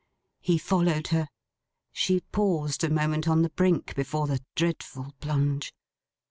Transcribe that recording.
He followed her. She paused a moment on the brink, before the dreadful plunge.